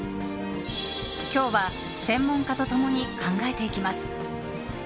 今日は、専門家と共に考えていきます。